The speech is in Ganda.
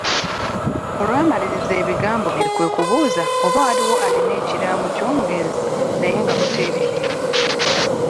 Olwamaliriza ebigambo bye kwe kubuuza oba waliwo alina ekiraamo ky'omugenzi naye nga buteerere.